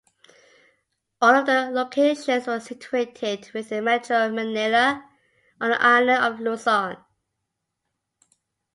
All of the locations were situated within Metro Manila on the island of Luzon.